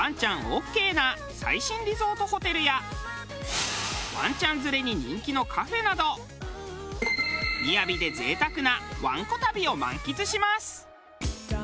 オーケーな最新リゾートホテルやワンちゃん連れに人気のカフェなど雅で贅沢なワンコ旅を満喫します。